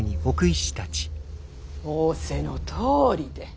仰せのとおりで！